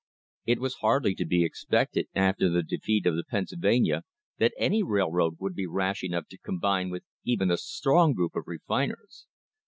It was hardly to be expected after the defeat of the Penn sylvania that any railroad would be rash enough to combine with even a strong group of refiners.